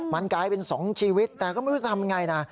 มันกลายเป็น๒ชีวิตแต่ก็ไม่รู้จะทำยังไงนะ